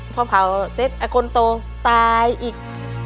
พอเผาเสร็จอักกลโตตายอีก